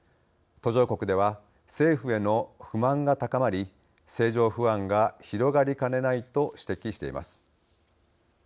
途上国では政府への不満が高まり政情不安が広がりかねない」と指摘しています。